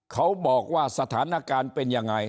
เขาบอกว่าสถานการณ์เป็นยังไง